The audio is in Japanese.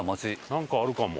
なんかあるかも。